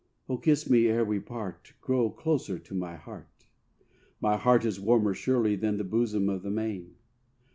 Oh kiss me ere we part; Grow closer to my heart. My heart is warmer surely than the bosom of the main.